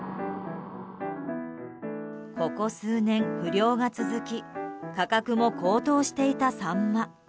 ここ数年、不漁が続き価格も高騰していたサンマ。